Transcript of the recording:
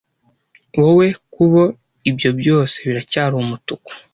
wowe kubo ibyo byose biracyari umutuku